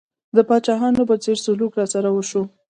د پاچاهانو په څېر سلوک راسره وشو.